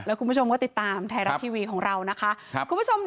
แล้วคุณผู้ชมก็ติดตามไทยรัฐทีวีของเรานะคะคุณผู้ชม